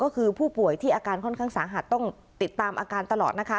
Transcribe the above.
ก็คือผู้ป่วยที่อาการค่อนข้างสาหัสต้องติดตามอาการตลอดนะคะ